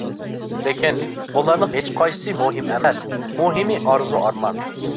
لېكىن، بۇلارنىڭ ھېچقايسىسى مۇھىم ئەمەس، مۇھىمى ئارزۇ-ئارمان.